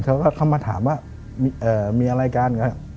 เขาก็เข้ามาถามว่ามีอะไรกัน